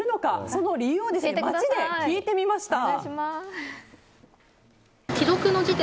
その理由を街で聞いてみました。